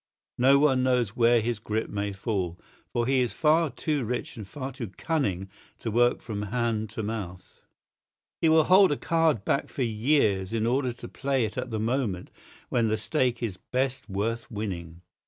No one knows where his grip may fall, for he is far too rich and far too cunning to work from hand to mouth. He will hold a card back for years in order to play it at the moment when the stake is best worth winning.